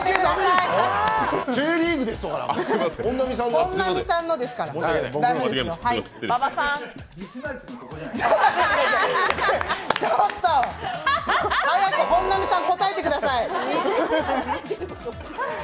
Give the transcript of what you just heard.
早く本並さん答えてください。